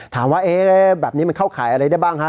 ถามว่าแบบนี้มันเข้าข่ายอะไรได้บ้างฮะ